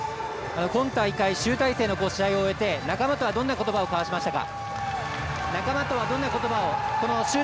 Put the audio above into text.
今大会、集大成の試合を終えて仲間とはどんなことばを交わしましたか？